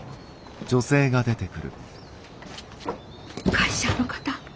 会社の方？